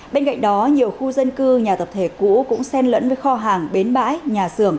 bên cạnh đó nhiều khu dân cư nhà tập thể cũ cũng sen lẫn với kho hàng bến bãi nhà xưởng